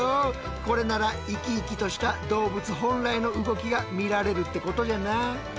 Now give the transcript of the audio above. これなら生き生きとした動物本来の動きが見られるってことじゃな。